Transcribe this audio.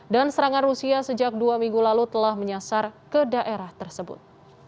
dan serangan rusia sejak dua minggu lalu telah menyasar ke daerah tersebut